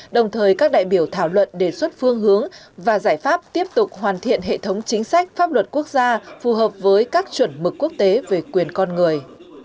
đồng thời các đại biểu thảo luận đề xuất phương hướng và giải pháp tiếp tục hoàn thiện hệ thống chính sách pháp luật quốc gia phù hợp với các chuẩn mực quốc tế về quyền con người